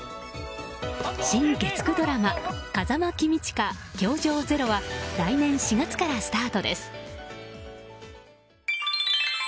新月９ドラマ「風間公親‐教場０‐」は来年４月からスタートです。